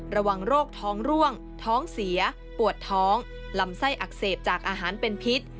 ระวังโรคท้องร่วงท้องเสียปวดท้องลำไส้อักเสบจากอาหารเป็นพิษ